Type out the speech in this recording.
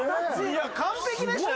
完璧でしたよ。